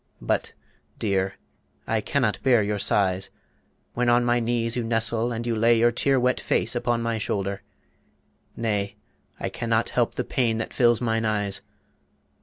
But, dear, I can not bear your sighs When on my knees you nestle and you lay Your tear wet face upon my shoulder. Nay, I can not help the pain that fills mine eyes.